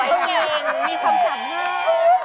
ที่เป็นคนสวยมีคำสั่งมาก